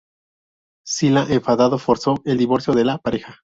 Sila, enfadado, forzó el divorcio de la pareja.